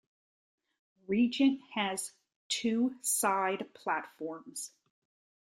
Regent has two side platforms.